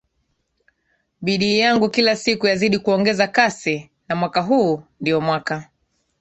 bidii yangu kila siku yazidi kuongeza kasi na mwaka huu ndio mwaka